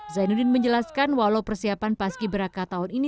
zainuddin menjelaskan walau persiapan pas kibraka tahun ini